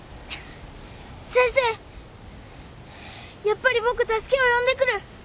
やっぱり僕助けを呼んでくる。